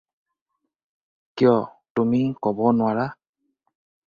কিয়, তুমি ক'ব নোৱাৰা?